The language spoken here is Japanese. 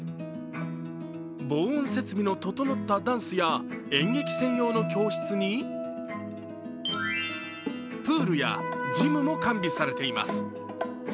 防音設備の整ったダンスや演劇専用の教室にプールやジムも完備されています。